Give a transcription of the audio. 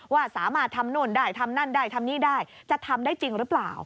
ว่าสามารถทำนู่นได้ทำนั่นได้ทำนี่ได้จะทำได้จริงหรือเปล่า